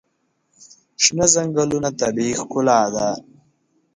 شنه ځنګلونه طبیعي ښکلا ده.